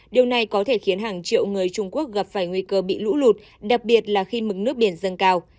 điều này có thể khiến hàng triệu người trung quốc gặp phải nguy cơ bị lũ lụt đặc biệt là khi mực nước biển dâng cao